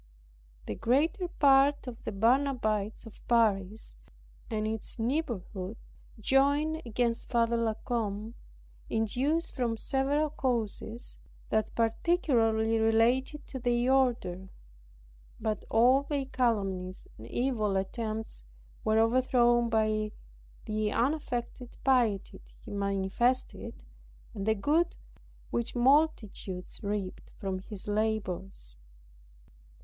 The greater part of the Barnabites of Paris, and its neighborhood, joined against Father La Combe, induced from several causes that particularly related to their order. But all their calumnies and evil attempts were overthrown by the unaffected piety he manifested, and the good which multitudes reaped from his labors.